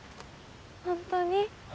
本当に。